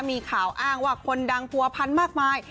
มีข่าวอ้างว่าคนดังผัวพันมากมาย